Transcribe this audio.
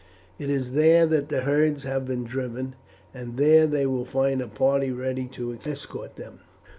It is there that the herds have been driven, and there they will find a party ready to escort them.